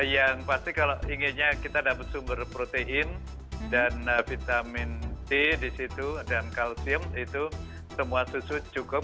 yang pasti kalau inginnya kita dapat sumber protein dan vitamin c di situ dan kalsium itu semua susu cukup